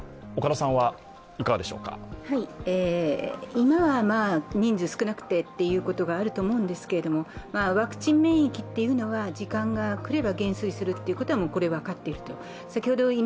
今は人数が少なくてということがあると思うんですけれども、ワクチン免役というのは時間が来れば減衰するということはもう分かっていることです。